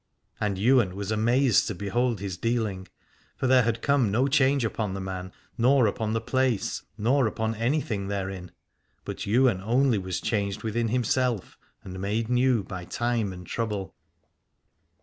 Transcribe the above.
And Ywain was amazed to behold his dealing : for there had come no change upon the man, nor upon the place, nor upon anything therein, but Ywain only was changed within himself and made new by time and trouble.